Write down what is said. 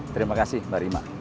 terima kasih mbak rima